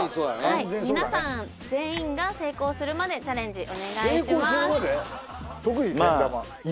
はい皆さん全員が成功するまでチャレンジお願いします